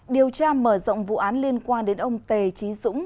điều tra mở rộng vụ án liên quan đến ông tề trí dũng